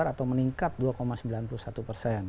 atau meningkat dua sembilan puluh satu persen